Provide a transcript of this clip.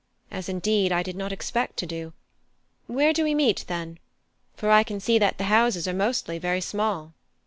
as indeed I did not expect to do. Where do we meet, then? For I can see that the houses are mostly very small."